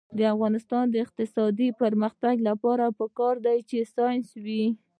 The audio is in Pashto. د افغانستان د اقتصادي پرمختګ لپاره پکار ده چې ساینس وي.